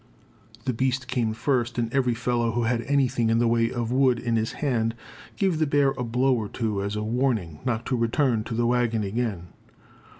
The beast came first, and every fellow who had anything in the way of wood in his hand gave the bear a blow or two as a warning not to return to the wagon again.